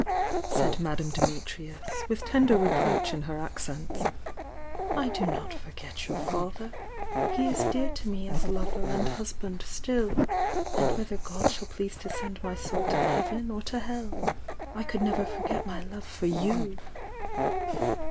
said Madame Dimitrius, with tender reproach in her accents. "1 do not forget your father — he is dear to me as lover and husband still. And whether God siiall please to send my soul to heaven or to hell, I could never forget my love for you!"